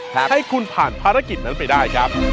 ให้คุณผ่านภารกิจนั้นไปได้ครับ